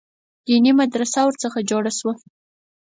دیني مدرسه ورڅخه جوړه سوه.